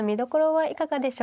はい。